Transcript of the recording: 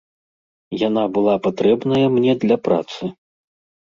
Яна была патрэбная мне для працы.